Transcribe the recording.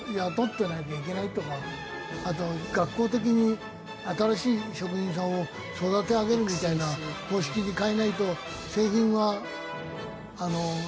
あと学校的に新しい職人さんを育て上げるみたいな方式に変えないと製品は繁栄しないし。